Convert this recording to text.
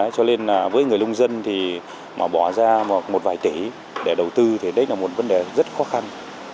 cho nên là với người lông dân thì bỏ ra một vài tỷ để đầu tư thì đấy là một vấn đề rất khó khăn